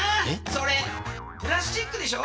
それプラスチックでしょ？